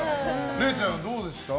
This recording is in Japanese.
れいちゃん、どうでした？